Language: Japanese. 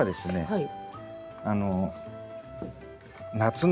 はい。